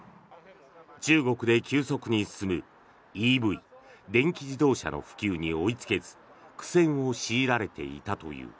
中国で急速に進むＥＶ・電気自動車の普及に追いつけず苦戦を強いられていたという。